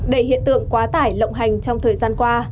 để hiện tượng quá tải lộng hành trong thời gian qua